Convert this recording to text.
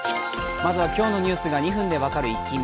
まずは今日のニュースが２分で分かるイッキ見。